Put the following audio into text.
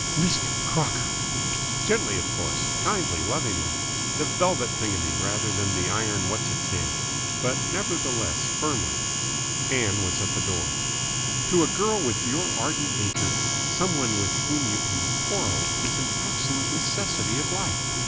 "Mr. Crocker!" "Gently, of course. Kindly lovingly. The velvet thingummy rather than the iron what's its name. But nevertheless firmly." Ann was at the door. "To a girl with your ardent nature some one with whom you can quarrel is an absolute necessity of life.